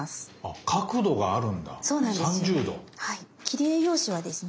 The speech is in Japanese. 切り絵用紙はですね